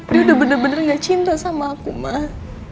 dia udah bener bener gak cinta sama aku mah